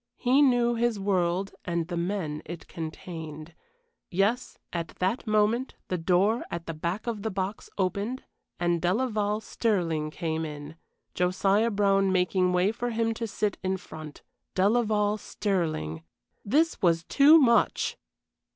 He knew his world and the men it contained. Yes, at that moment the door at the back of the box opened and Delaval Stirling came in, Josiah Brown making way for him to sit in front. Delaval Stirling this was too much!